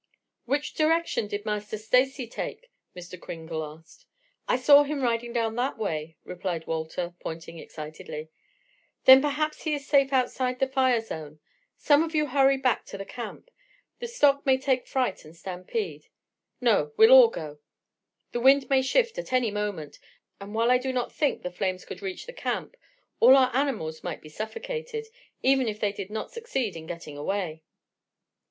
"Which direction did Master Stacy take?" Mr. Kringle asked. "I saw him riding down that way," replied Walter, pointing excitedly. "Then, perhaps he is safe outside of the fire zone. Some of you hurry back to the camp, The stock may take fright and stampede. No, we'll all go. The wind may shift at any moment, and while I do not think the flames could reach the camp, all our animals might be suffocated, even if they did not succeed in getting away."